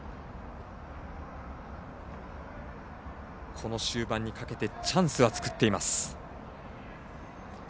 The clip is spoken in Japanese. この終盤にかけてチャンスは作っています。